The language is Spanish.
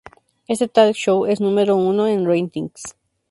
Este talk show es número uno en ratings.